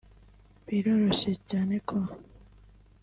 Biroroshye cyane ko